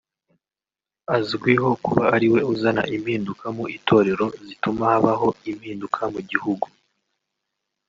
Azwiho kuba ariwe uzana impinduka mu itorero zituma habaho impinduka mu gihugu